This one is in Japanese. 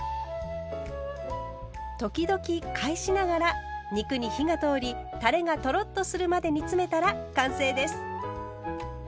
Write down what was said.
時々返しながら肉に火が通りたれがトロッとするまで煮詰めたら完成です。